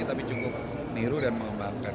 tapi cukup niru dan mengembangkan